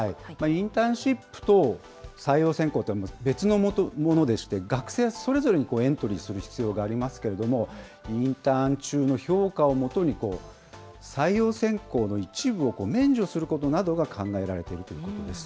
インターンシップと採用選考と、別のものでして、学生それぞれにエントリーする必要がありますけれども、インターン中の評価をもとに、採用選考の一部を免除することなどが考えられているということです。